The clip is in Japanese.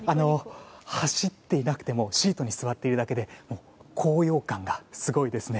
走っていなくてもシートに座っているだけで高揚感がすごいですね。